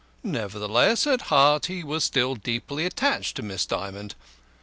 Nevertheless, at heart he was still deeply attached to Miss Dymond.